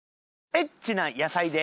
エッチな野菜で。